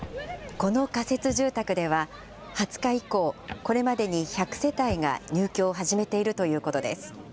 この仮設住宅では、２０日以降、これまでに１００世帯が入居を始めているということです。